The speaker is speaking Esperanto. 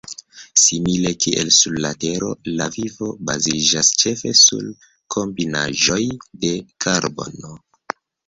Simile kiel sur la Tero, la vivo baziĝas ĉefe sur kombinaĵoj de karbono.